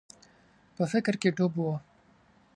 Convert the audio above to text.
په فکر کي ډوب و.